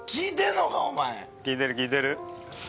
聞いてる聞いてる。